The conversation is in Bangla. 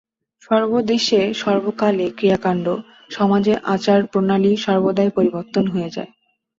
সর্বদেশে সর্বকালে ক্রিয়াকাণ্ড, সমাজের আচার-প্রণালী সর্বদাই পরিবর্তন হয়ে যায়।